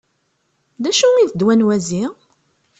D acu i d ddwa n wazi?